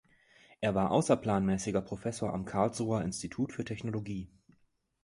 Er war außerplanmäßiger Professor am Karlsruher Institut für Technologie.